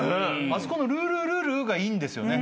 あそこの「ルルルル．．．」がいいんですよね。